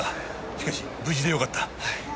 しかし無事でよかった。